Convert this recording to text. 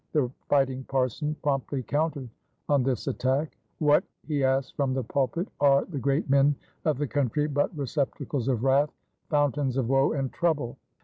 The fighting parson promptly countered on this attack. "What," he asked from the pulpit, "are the great men of the country but receptacles of wrath, fountains of woe and trouble?